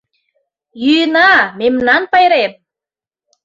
Йӱына, мемнан пайрем.